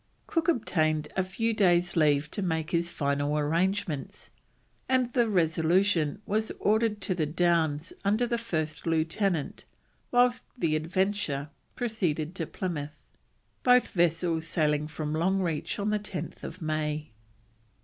Cook obtained a few days' leave to make his final arrangements, and the Resolution was ordered to the Downs under the first lieutenant, whilst the Adventure proceeded to Plymouth; both vessels sailing from Longreach on 10th May.